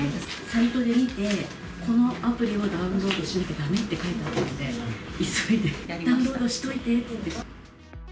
サイトで見て、このアプリをダウンロードしないとだめって書いてあったので、急いでダウンロードしておいてって。